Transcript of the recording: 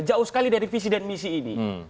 jauh sekali dari visi dan misi ini